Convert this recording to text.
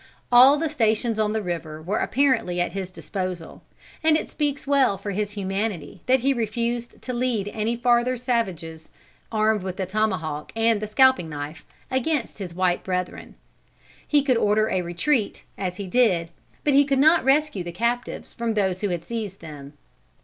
All the stations on the river were apparently at his disposal, and it speaks well for his humanity that he refused to lead any farther savages armed with the tomahawk and the scalping knife, against his white brethren. He could order a retreat, as he did, but he could not rescue the captives from those who had seized them.